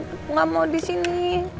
gak mau disini